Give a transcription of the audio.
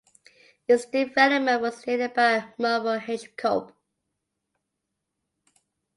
Its development was aided by Monroe H. Kulp.